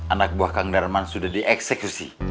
anak buah kang darman sudah dieksekusi